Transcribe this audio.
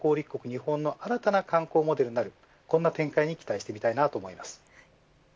日本の新たな観光モデルになるこんな展開に期待したいと思います。